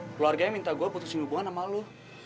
keluarganya minta gue putusin hubungan sama lu